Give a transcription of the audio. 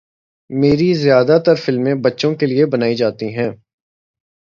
میری زیادہ تر فلمیں بچوں کیلئے بنائی جاتی ہیں